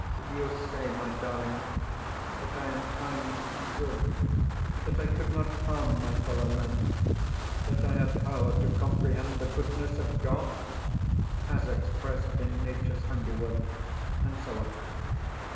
You say, my darling, that I am kind and good, that I could not harm my fellow men, that I have power to comprehend the goodness of God (as expressed in nature's handiwork), and so on.